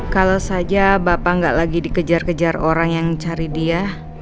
kalau saja bapak nggak lagi dikejar kejar orang yang cari dia